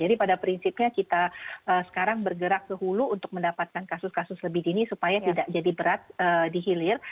jadi pada prinsipnya kita sekarang bergerak sehulu untuk mendapatkan kasus kasus lebih dini supaya tidak jadi berat dihilir